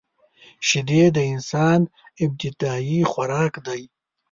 شیدې د انسان ابتدايي خوراک دی